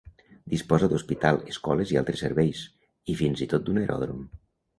Disposa d'hospital, escoles i altres serveis, i fins i tot d'un aeròdrom.